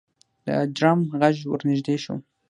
د ډرم غږ ورنږدې شو.